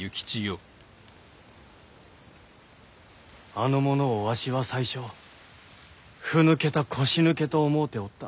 あの者をわしは最初腑抜けた腰抜けと思うておった。